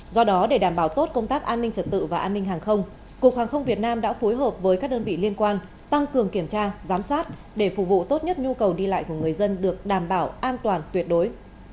do đó để đảm bảo tốt công tác an ninh trật tự và an ninh hàng không cục hàng không việt nam đã phối hợp với các đơn vị liên quan tăng cường kiểm tra giám sát để phục vụ tốt nhất nhu cầu đi lại của người dân được đảm bảo an toàn tuyệt đối